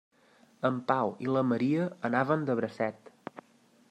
En Pau i la Maria anaven de bracet.